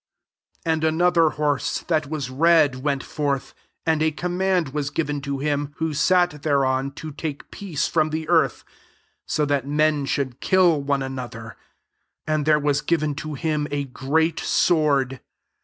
'* 4 And another horse, that vHu red, went forth; and a command was ^ven to him who sat thereon to take peace \frotn\ the earth, [«o] that men should kill one another; and there was given to him a great sword.